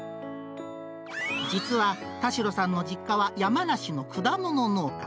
実は、田代さんの実家は山梨の果物農家。